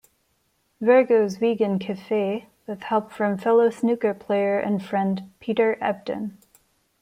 Virgo's Vegan Cafe, with help from fellow snooker player and friend Peter Ebdon.